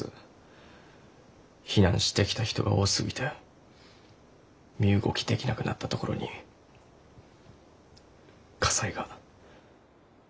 避難してきた人が多すぎて身動きできなくなったところに火災が。